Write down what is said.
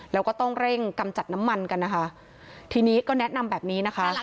แล้วก็ต้องเร่งกำจัดน้ำมันกันนะคะทีนี้ก็แนะนำแบบนี้นะคะ